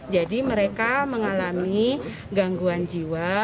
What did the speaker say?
jadi mereka mengalami gangguan jiwa